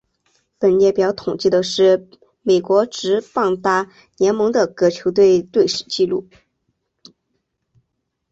本列表统计的是美国职棒大联盟的各球队的队史纪录。